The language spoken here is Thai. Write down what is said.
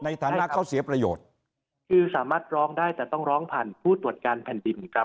ในฐานะเขาเสียประโยชน์คือสามารถร้องได้แต่ต้องร้องผ่านผู้ตรวจการแผ่นดินครับ